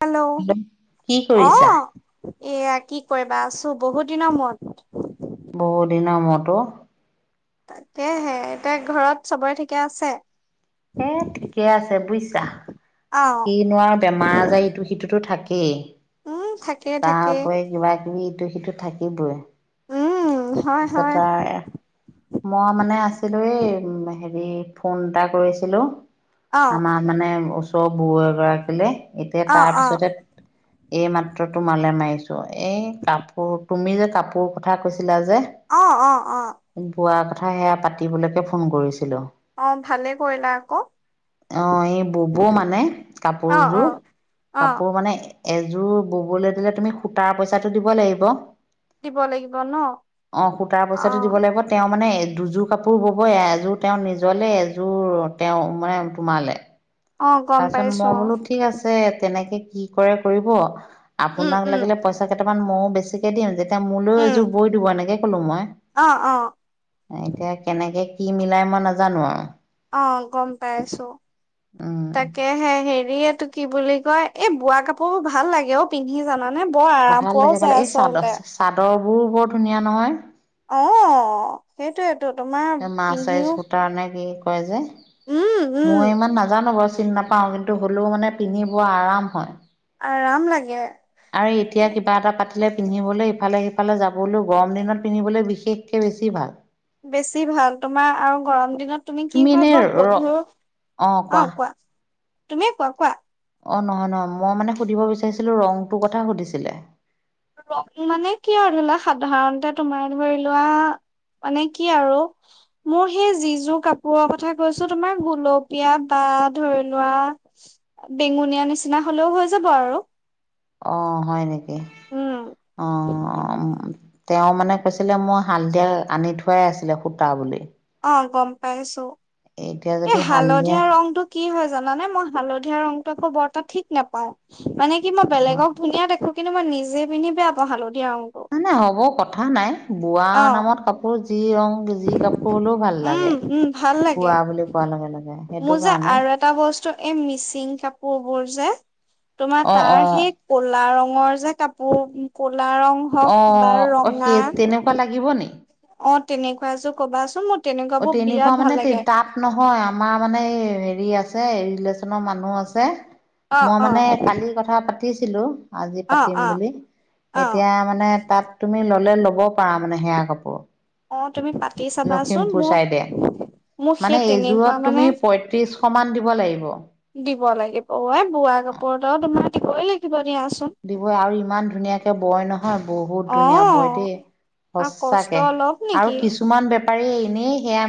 Hello, কি অ'হ। কৰিছা? এয়া কি কৰিবা আছো, বহুত দিনৰ মূৰত। বহু দিন মোৰট ও। তাকেহে, এতিয়া ঘৰত চবৰে ঠিকে আছে? এ ঠিকে আছে বুজিছা, অ কি নো আৰু বেমাৰ আজাৰ, ইটো সিটোতো থাকে। উম থাকেই তাৰ থাকেই উপৰি কিবা কিবি ইটো সিটো থাকিবই। উম অ' হয় হয় পিছতে মই মানে আছিলো এই হেৰি ফোন এটা কৰিছিলো। অ আমাৰ মানে ওচৰৰ বও এগৰাকীল, এতিয়া অ অ তাৰপিছতে এই মাত্ৰ তোমালৈ মাৰিছোঁ, এই কাপোৰ, তুমি যে কাপোৰ কথা ছিলা যে, অ অ অ বুৱা কথা সেয়া পাতিবলৈকে ফোন কৰিছিলো। অ' ভালে কৰিলা আকৌ। অ, এই বোবৌ মানে অ অ কাপোৰযোৰ, অ কাপোৰ মানে এযোৰ ববলৈ দিলে তুমি, সূতাৰ পইচাটো দিব লাগিব। [unintelligible] কিব লাগিব ন অ' সূতাৰ পইচাটো দিব লাগিব, তেওঁ মানে দুযোৰ কাপোৰ বব, এযোৰ তেওঁৰ নিজলে, এযোৰ তেওঁ মানে তোমালৈ। অ গম তাৰপিছত পাইছো মই অ বোলো ঠিক আছে তেনেকে কি কৰে কৰিব, উম আপোনাক উম লাগিলে পইচা কেইটামান ময়ও বেছিকে দিম, যেতি এতিয়া মোলৈও উম এযোৰ বৈ দিব এনেকে কলো মই, অ অ এতিয়া কেনেকে কি মিলাই মই নাজানো আৰু। অ' গম পাই আছো, উম, তাক তেহে হেৰি এইটো কি বুলি কয়, এই বোৱা কাপোৰোৰ ভাল লাগে অ পিন্ধি জান ভাল লাগে ভালে, এই চাদৰ চাদৰ বোৰো বৰ ধুনীয়া নহয়। অ' সেইটোয়েইটো, তোমাৰ মাৰ্চাইজ পিন্ধিও সূতাৰ নে কি কয় যে, উম উম মই ইমান নাজানো বাও চিনি নাপাও কিন্তু হ'লেও মানে পিন্ধিব আৰাম হয়। আৰাম লাগে। আৰু এতিয়া কিবা এটা পাতিলে পিন্ধিবলৈ ইফালে-সিফালে যাবলৈও গৰম দিনত পিন্ধিবলৈ বিশেষকে বেছি ভাল। বেছি ভাল তোমাৰ আৰু গৰম দিনত তুমি কি হয় বৰ গধুৰ অ' কোৱা। তুমি কোৱা, কোৱা। অ' নহয়-নহয়, মই মানে সুধিব বিচাৰিছিলো, ৰংটোৰ কথা সুধিছিলে। ৰং মানে কি আৰু ধৰি লোৱা সাধাৰণতে তোমাৰ ধৰি লোৱা মানে কি আৰু মোৰ সেই যি যোৰ কাপোৰৰ কথা কৈছো তোমাৰ গুলপীয়া বা ধৰি লোৱা, বেঙুনীয়া নিচিনা হলেও হৈ যাব আৰু। অ' হয় নেকি, উম অ' তেওঁ মানে কৈছিলে মই হালধিয়াল আনি থোৱাই আছিলে সূতা বুলি অ', গম পাইছো। এতিয়া এই যদি হা হালধীয়া ত, ঠিক নাপায়, মানে কি মই অঁ বেলেগক ধুনীয়া দেখো কিন্তু, মই নিজে পিন্ধি বেয়া পাওঁ, হালধীয়া ৰংটো। নাই, নাই হ'ব কথা নাই, বোৱা অ', নামত কাপোৰ যি ৰং যি কাপোৰ হলেও ভাল উম, লাগে উম, ভাল লাগে। বোৱা বুলি কোৱাৰ লগে লগে সেইটো কাৰণে এ, মিচিং কাপোৰ। মোৰ যে, তোমাৰ অ অ তাৰ সেই কলা ৰঙৰ যে কাপোৰ কলা ৰং অ হওক, বা অ ৰঙা। সেই তেনেকুৱা লাগিব নি? অ', তেনেকুৱা আছো ক'বা আছো, মো অ, তেনেকুৱা মানে তাত নহয়, আমাৰ মানে হেৰি হেৰি আছে, ৰেলেচনৰ মানুহ আছে, অ', মই অ', মানে কালি কথা পাতিম। পাতিছিলো, আজি অ', পাতিম অ', বুলি, অ', এতিয়া মানে তাত তুমি ল'লে ল'ব পাৰা, মানে সেয়া কাপোৰ। অ', তুমি পাতি চাবাচোন লখিমপুৰ মোৰ চাইডে। মোক সেই মানে তেনেকুৱা এইযোৰত মানে তুমি পয়ত্ৰিশ মান দিব লাগিব। দিব লাগিব। দিয়াচোন দিবই আৰু ইমান ধুনীয়াকে বয় নহয়, বহুত অ ধুনীয়া বয় দেই। আৰু কষ্ট সচাকে। অলপ নেকি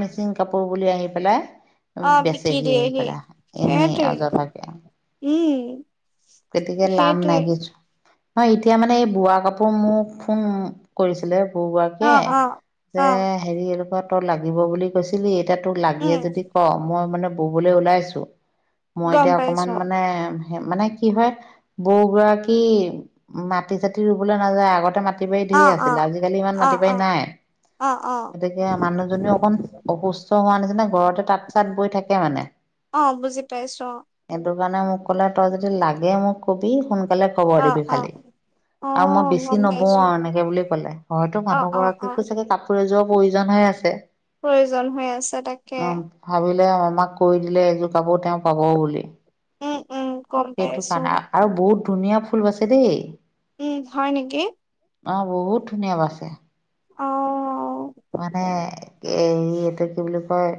মেচিন কাপোৰ বুলি আহি পেলাই। অ বিকি বেচেহি দিয়েহি পেলাই, এনেই সেইটোৱে অযথা উম তেতিকে লাম সেইটোৱে নাই কিছু। হয় এতিয়া মানে এই বোৱা কাপোৰ মোক ফোন কৰিছিলে। ঘৰুৱাকে, অ অ যে অ হেৰি এনেুৱা তই লাগিব বুলি কৈছিলি, এতিয়া এইটো লাগিয়ে উম যদি ক, মই মানে বোবলৈ ওলাইছো, মই গম এতিয়া অকমান পাইছো মানে মানে কি হয় বৰু গৰাকী মাটি চতি ৰুবলৈ নাযায় আগতে মাটি মাটি বাৰী অ ধেৰ অ আছিলে, আজিকালি ইমান অ মাটি বাৰী অ নাই, অ অ গতিকে মানুহজনীও অকণ অসুস্থ হোৱা নিচিনা ঘৰতে তাঁত চাত বৈ থাকে মানে অ বুজি পাইছো অ। কিবানা মোক কলে, তই যদি লাগে মোক কবি, সোনকালে খবৰ অ দিবি অ খালি। অ আৰু মই গম বেছি নবওঁ, পাইছো আৰু এনেকে বুলি ক'লে, হয়তো অ অ অ মানুহগৰাকীকো চাগে কাপোৰ এযোৰ প্ৰয়োজনহে আছে। প্ৰয়োজন হৈ আছে তাকে। ভাবিলে আমাক কৈ দিলে এযোৰ কাপোৰ তেওঁ পাব বুলি। উম উম গম সেইটো পাইছো কাৰণে আৰু বহুত ধুনীয়া ফুল বাছে দেই উম, হয় নেকি? অ', বহুত ধুনীয়া বাছে। অ'। মানে এ, এইটো কি বুলি কয়,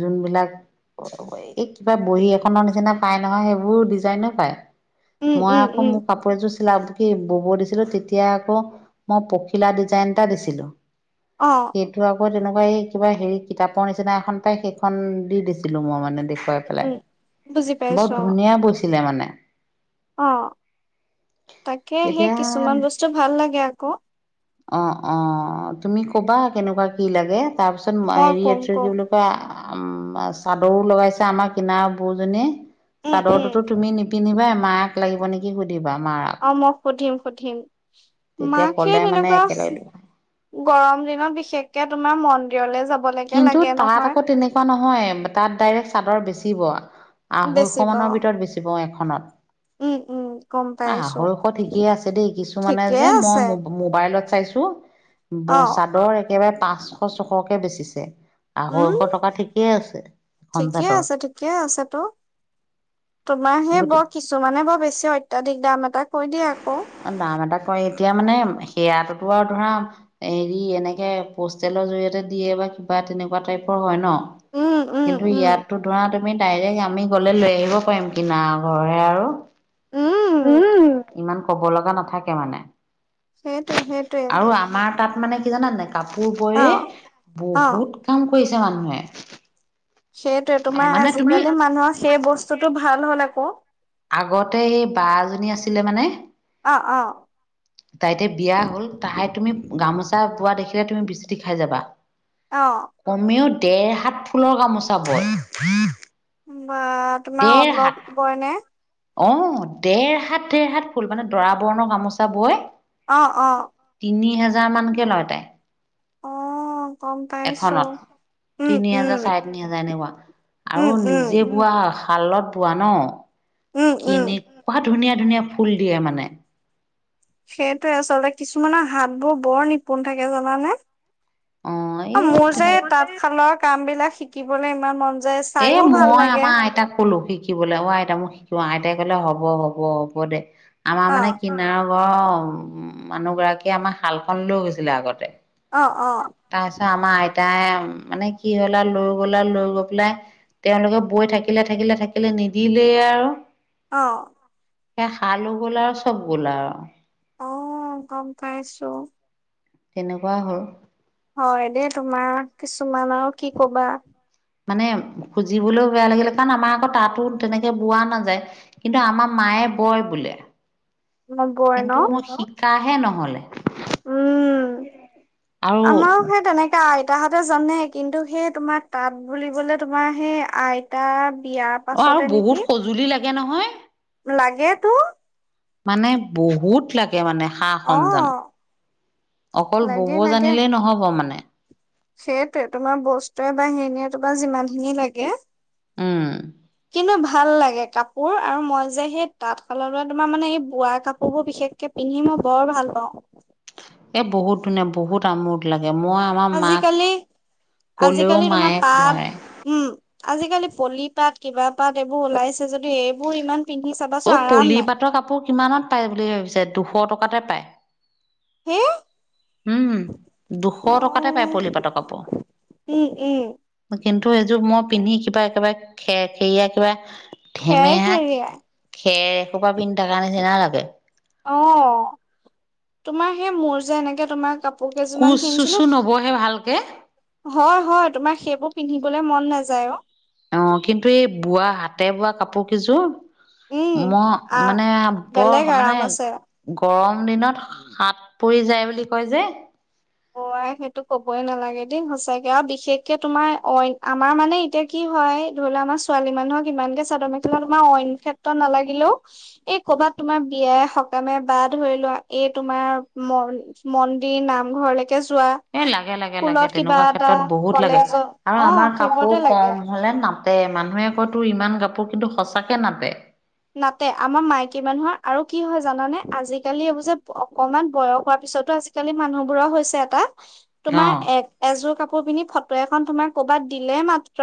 যোনবিলাক এই কিবা বহী এখনৰ নিচিনা পাই নহয়, সেইবোৰ ডিজাইনও পায়। উম মই উম আকৌ উম মোৰ কাপোৰ এযোৰ চিলাব কি বোব, দিছিলো তেতিয়া আকৌ মই পখিলা ডিজাইন এটা দিছিলো। অ সেটো আকৌ তেনেকুৱা, হেৰি কিতাপ দেখুৱাই পেলাই, উম, বুজি বৰ পাইছো অ', ধুনীয়া অ, তাকে। এতিয়া অঁ অঁ তুমি ক'বা কেনেকুৱা কি লাগে তাৰপিছত মই হেৰি কম কি কম বুলি কোৱা উম, চাদৰো লগাইছে আমাৰ কিনাৰ বৌজনীয়ে, উম, উম, চাদৰটোতো তুমি নিপিন্ধিবা। মাক লাগিব নেকি সুধিবা মাক অ', মই সুধিম, সুধিম। তেতিয়া মাক সেই ক'লে মানে তেনেকুৱা, একেলগে গৰম দিনত বিশেষকে তোমাৰ মন কিন্তু তাত আকৌ তেনেকুৱা নহয়, তাত ডাইৰেক্ট চাদৰ বেচিব। আঢ়ৈশ বেচিব মানৰ ভিতৰত বেছিব এখনত। উম উম। গম পাইছো আঢ়ৈশ ঠিকেই আছে দেই, কিছুমানে ঠিকে যে মই আছে মোবাইলত চাইছো। অ', চাদৰ একেবাৰে পাঁচশ ছশকে বেচিছে, আঢ়ৈশ টকা ঠিকেই আছে এখন ঠিকেই চাদৰ আছে, ঠিকেই আছে তো। তোমাৰ সেই গতি বৰ কিছুমানে বৰ বেছি অত্যাধিক দাম এটা কৈ দিয়ে আকৌ। অ' দাম এটা কয় এতিয়া মানে সেইয়াটোতো আৰু ধৰা হেৰি এনেকে পষ্টেল জৰিয়তে দিয়ে বা কিবা তেনেকুৱা টাইপৰ হয় নহ, উম, উম, কিন্তু উম, ইয়াত টো ধৰা আমি ডাইৰেক্ট আমি গ'লে লৈ আহিব পাৰিম, কিনাৰৰ ঘৰৰহে আৰু। উম, উম ইমান ক'ব লগা নাথাকে মানে। সেইটোৱে সেইটোৱে আৰু আমাৰ তাত মানে জানা নে নাই কাপোৰ অ'। বয়েই অ বহুত কাম কৰিছে মানুহে। সেইটোৱেই তোমাৰ মানে তুমি আজিকালি মানুহৰ সেই বস্তুটো ভাল হ'ল আকৌ। আগতে সেই বা এজনী আছিলে মানে অ অ তাই এতিয়া বিয়া হ'ল, তাই তুমি গামোচা বোৱা দেখিলে তুমি বিচুটি খাই যাবা, অ কমেও ডেৰ হাত ফুলৰ গামোচা বয়। বাহ, তোমাৰ অলপ বয় নে? অহ, দেৰ হাত দেৰ হাত ফুল, মানে দৰা বৰণৰ গামোচা বয়। অ' অ। তিনি হেজাৰ মানকে লয় তাই। অ', গম পাইছোঁ। এখনত তিনি হাজাৰ, চাৰে তিনি হাজাৰ এনেকুৱা, উম আৰু উম নিজে বোৱা শালত বোৱা নহ, উম উম কেনেকুৱা ধুনীয়া ধুনীয়া ফুল দিয়ে মানে। সেইটোৱেই আচলতে, কিছুমানৰ হাতবোৰ বৰ নিপুন থাকে জানানে। অ এই অ', মোৰ যে তেনে তাঁতশালৰ কাম বিলাক শিকিবলে ইমান মন য এ মই আমাৰ আইতাক ক'লো শিক কিবলে, অ', আইতা মোক শিকোৱা, আইতাই ক'লে হ'ব হ'ব হ'ব দে, আমাৰ অ মানে কিনাৰ চৰৰ উম, মানুহগৰাকীয়ে আমাৰ শালখন লৈ গৈছিলে আগতে। অ অ তাৰপিছত আমাৰ আইতাই মানে কি হ'ল আৰু লৈ গ'ল আৰু লৈ গৈ পেলাই তেওঁলোকে বৈ থাকিলে, থাকিলে, থাকিলে নিদিলেই আৰু। অ'। সেয়া শালো গ'ল আৰু চব গ'ল আৰু। অ' গ'ম পাইছোঁ। কেনেকুৱা হ'ল। হয় দেই তোমাৰ কিছুমান আৰু কি ক'বা। মানে খুজিবলৈও বেয়া লাগিলে, কাৰণ আমাৰ আকৌ তাতো তেনেকে বোৱা নাযায়, কিন্তু আমাৰ মাই মায়ে বয় বোলে। নবয় ন। তাৰহে নহ'লে। উম, আৰু আমাৰো সেই তেনেকা আই আইতাহঁতে জানে, কিন্তু সেই তোমাৰ তাত বুলিবলে তোমাৰ সেই আইতা বিয়াৰ অ' আৰু বহুত সজুলি লাগে নহয়। লাগে তোৰ। মানে বহুত লাগ কে মানে সা অ সঞ্জাম, অকল ববৌ জানিলেই নহ'ব মানে। সেইটোৱেই, তোমাৰ বস্তুৱে বাহিনিয়ে তোমাৰ যিমানখিনি লাগে। উম। কিন্ত ভাল লাগে কাপোৰ আৰু মই যে সেই তাঁতশালৰ তোমাৰ মানে এই বোৱা কাপোৰ বোৰ বিশেষকে পিন্ধি মই বৰ ভাল পাওঁ! এ, বহুত ধুনীয়া! বহুত আমোদ লাগে। মই আমাৰ মাক আজিকালি, কলেও আজিকালি তোমাৰ মায়ে পাট, নোৱাৰে। উম। আজিকালি পলি-পাট, কিবা পাত, এইবোৰ ওলাইছে যদিও, এইবোৰ ইমান পিন্ধি চাবাচোন অ'! আৰাম নাই পলি-পাটৰ কাপোৰ কিমানত পায় বুলি ভাবিছে, দুশ টকাতে পায়। হে! উম, দুশ টকাতে পাই, পলি-পাটৰ কাপোৰ। উম উম কিন্তু, এইযোৰ মই পিন্ধি কিবা একেবাৰে, খেৰ- খেৰিয়া কিবা, ধেমেহা খেৰ-খেৰিয়া। খেৰ এসোপা পিন্ধি থকাৰ নিচিনা লাগে। অ'! তোমাৰ সেই, মোৰ যে এনেকে, তোমাৰ কাপ কাপোৰ কেইযোৰমান কোচ কিনিছিলোঁ। চোচো নবহে ভালকে হয়, হয়! তোমাৰ, সেই বোৰ পিন্ধিবলে মন নাযায়, অ'! অ'! কিন্তু, এই বোৱা, হাতে বোৱা কাপোৰ কেইযোৰ, উম মই আহ মানে, বৰ বেলেগ মানে, আৰাম আছে গৰম দিনত হাত পৰি যায়, বুলি কয় যে! অ'! আই, সেইটো ক'বই নালাগে দেই। সঁচাকে আৰু বিশেষকে তোমাৰ, অইন, আমাৰ মানে, এতিয়া কি, হয়, ধৰি লোৱা আমাৰ ছোৱালী মানুহক ইমান কে চাদৰ মেখেলা তোমাৰ অইন ক্ষেত্ৰত নালাগিলেও এই ক'ৰবাত তোমাৰ বিয়াই সকামে বা ধৰি লোৱা এই তোমাৰ ম মন্দিৰ নামঘৰলৈকে যোৱা এই লাগে লাগে লাগে স্কুলত কিবা তেনেকুৱা এটা ক্ষেত্ৰত বহুত লাগে কলেজত আৰু অ আমাৰ সেইবোৰতে কাপোৰ লাগে কম হ'লে না টে, মানুহে কয় তোৰ ইমান কাপোৰ কিন্তু সঁচাকে নাটে। নাতে আমাৰ মাইকী মানুহৰ আৰু কি হয় জানানে, আজিকালি এইবোৰ যে অকমান বয়স হোৱা পিছ পিছতো আজিকালি মানুহ বোৰৰ হৈছে এটা তোমাৰ এ অ এযোৰ কাপোৰ পিন্ধি ফটো এখন তোমাৰ ক'ৰবাত দিলে মাত্ৰ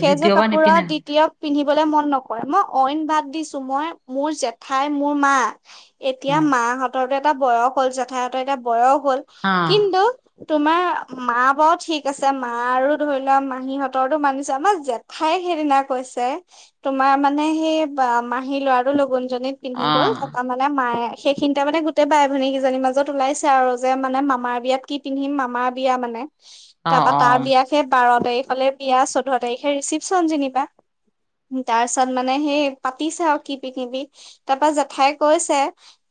সেই যোৰ কাপোৰ আৰু নিপিন্ধে দ্বিতীয় পিন্ধি বলে মন নকৰে, মই অইন বাদ দিছোঁ, মই মোৰ জেঠাই মোৰ মা এতিয়া উম মাহঁতৰো এটা বয়স হ'ল, জেঠাই হতৰ এটা বয়স হ'ল। হা কিন্তু, তোমাৰ মা বাৰু ঠিক আছে মা আৰু ধৰি লোৱা মাহীহঁতৰো তোৰ মানিছোঁ, আমাৰ জেঠাই সেইদিনা কৈছে তোমাৰ মানে সেই বা মাহী ল'ৰাটো লগুন জনীত পিন্ধি গ'ল অ', তাৰপাৰ মানে মায়ে সেইখিনিতে মানে গোটেই বাই ভনীকেইজনীৰ মাজত ওলাইছে আৰু যে মানে মামাৰ বিয়াত কি পিন্ধিম, মামাৰ বিয়া মানে। অ', তাৰপাৰ তাৰ অ', বিয়া সেই বাৰৰ তাৰিখ ফলে বিয়া চৈধ্য তাৰিখে ৰিচিপচন যেনিবা, তাৰ পিছত মানে সেই পাতিছে আৰু কি পিন্ধিবি তাৰপাৰ জেঠাই কৈছে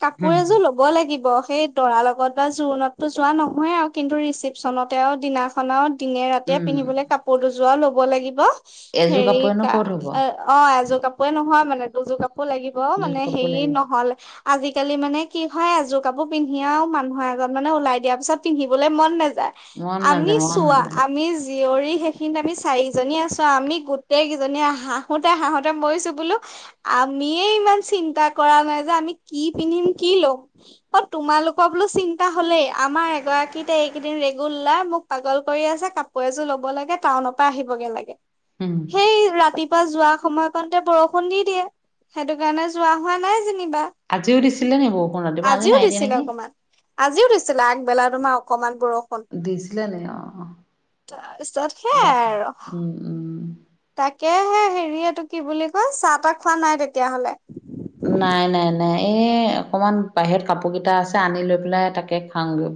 কাপোৰ উম, এযোৰৰ ল'ব লাগিব। সেই দৰাৰ লগত বা জোৰোণততো যোৱা নহয়েই আৰু কিন্তু ৰিচেপচনতে আৰু দিনাখন আহ দিনে ৰাতিয়ে উম, পিন্ধিবলে কাপোৰ দুযোৱা ল'ব লাগিব। এযোৰ হেৰি কাপোৰেনো কা ক'ত হ'ব, অ' এযোৰ কাপোৰ নহয় মানে দুযোৰ কাপোৰ লাগিব দুযোৰ মানে কাপোৰ হেৰি লাগিব, নহ'ল আজিকালি মানে কি হয়। এযোৰ কাপোৰ পিন্ধি আহ মানুহ আগত ওলাই দিয়াৰ পিছত পিন্ধিবলৈ মন নাযায়। মন আমি নাযায়, মন চোৱা নাযায়। আমি জীয়ৰী সেইখিনিত আমি চাৰিজনী আছোঁ। আমি গোটেইকেইজনীয়ে হাঁহোতে হাঁহোতে মৰিছোঁ বোলোঁ। আমিয়ে ইমান চিন্তা কৰা নাই যে আমি কি পিন্ধিম কি ল'ম আৰু তোমাৰ তেওঁলোকৰ বোলোঁ চিন্তা হ'লেই। আমাৰ এগৰাকীতে এইকেইদিন ৰেগুলাৰ মোক পাগল কৰি আছে কাপোৰ এযোৰ উম, [unintelligible] খুন্দি দিয়ে সেইটো কাৰণে যোৱা হোৱা নাই [unintelligible] আজিও দিছিলে নি বৰষুণ ৰাতিপুৱা, আজি আজিও নাই দিয়া দিছিলে নেকি, অকমান আজিও দিছিলে আগ বেলা তোমাৰ অকণমান দেছিলানে অ তাৰপিছত বা, সেয়াই আৰু উম, উম। তাকে কে হে হেৰিয়টো কি বুলি কয় চাহ তাহ খোৱা নাই তেতিয়াহলে নাই নাই নাই। এই অকমান বাহিৰত কাপোৰ কেইটা আছে, আনি লৈ পেলাই তাকে খাওঁগৈ বুলি।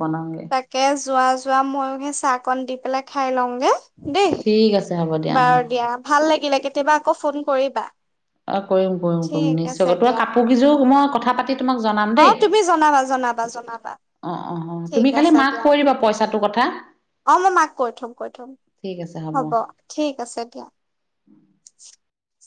তাকে যোৱা যোৱা, ময়ো সেই চাহকণ দি পেলাই খাই লওঁগে। দেই ঠিক আছে হ'ব অ'। বাৰু দিয়া ভাল লাগিলে কেতিয়াবা আকৌ ফোন কৰিবা অহ' কৰিম, কৰিম, কৰিম ঠিক নিশ্চয় আছে কৰিম। তোমাৰ দিয়া কাপোৰ গিজোৰ হ [unintelligible] মই কথা পাতি। তোমাক জনাম অ' তুমি জনাবা, জনাবা, জনাবা। অহ', অহ', অহ' ঠিক তুমি খালি আছে মাক দিয়া। কৈ দিবা পইচাটোৰ কথা। অ মই মাক কৈ থম কৈ থম ঠিক আছে হ'ব ঠিক আছে দিয়া [unintelligible]